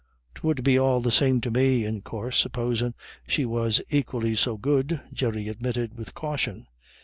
"'Twould be all the same thing to me, in coorse, supposin' she was equally so good," Jerry admitted with caution.